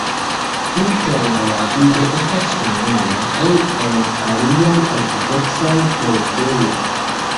Interne la vido estas simila, ol en aliaj ortodoksaj preĝejoj.